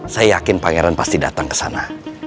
saya yakin pangeran pasti dateng kesana